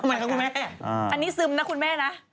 อันนี้ซึมนะคุณแม่นะ